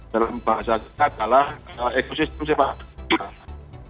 dalam bahasa kita adalah ekosistem sepak bola